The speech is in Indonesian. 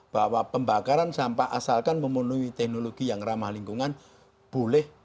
bahwa pembakaran sampah asalkan memenuhi teknologi yang ramah lingkungan boleh